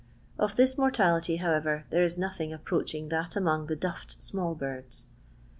Of this mortality, however, there is nothing approaching that among the duffed small birds.